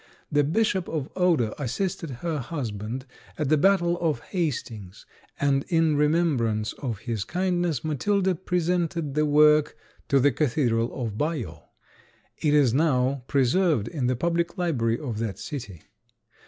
The Bishop of Odo assisted her husband at the battle of Hastings, and in remembrance of his kindness Matilda presented the work to the cathedral of Bayeaux. It is now preserved in the public library of that city.